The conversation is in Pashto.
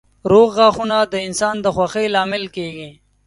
روغ غاښونه د انسان د خوښۍ لامل کېږي.